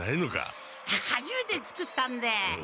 はじめて作ったんで。